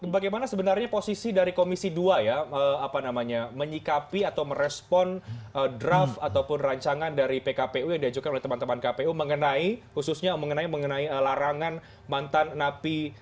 bagaimana sebenarnya posisi dari komisi dua ya apa namanya menyikapi atau merespon draft ataupun rancangan dari pkpu yang diajukan oleh teman teman kpu mengenai khususnya mengenai larangan mantan napi